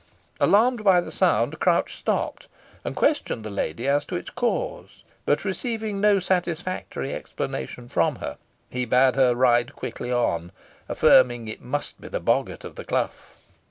Alarmed by the sound, Crouch stopped, and questioned the lady as to its cause; but receiving no satisfactory explanation from her, he bade her ride quickly on, affirming it must be the boggart of the clough.